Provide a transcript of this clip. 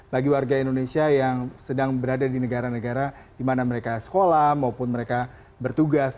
bagi warga indonesia yang sedang berada di negara negara di mana mereka sekolah maupun mereka bertugas